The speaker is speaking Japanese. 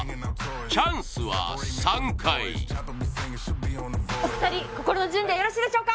チャンスは３回お二人心の準備はよろしいでしょうか？